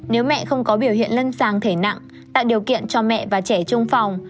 nếu mẹ không có biểu hiện lâm sàng thể nặng tạo điều kiện cho mẹ và trẻ trung phòng